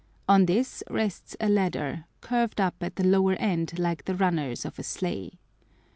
On this rests a ladder, curved up at the lower end like the runners of a sleigh.